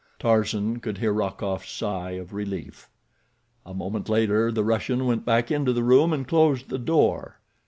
Tarzan could hear Rokoff's sigh of relief. A moment later the Russian went back into the room and closed the door.